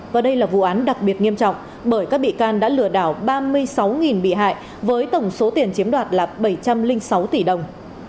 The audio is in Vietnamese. và đây là vụ án đặc biệt nghiêm trọng bởi các bị can đã lừa đảo ba mươi sáu bị hại với tổng số tiền chiếm đoạt là bảy trăm linh sáu tỷ đồng